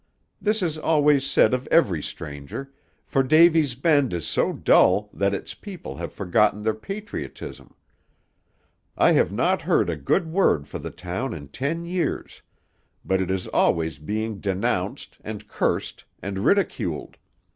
This is always said of every stranger, for Davy's Bend is so dull that its people have forgotten their patriotism. I have not heard a good word for the town in ten years, but it is always being denounced, and cursed, and ridiculed.